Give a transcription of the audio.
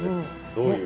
どういう。